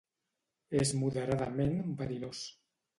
És moderadament verinós.